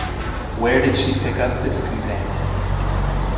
Where did she pick up this companion?